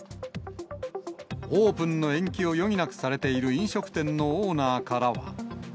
オープンの延期を余儀なくされている飲食店のオーナーからは。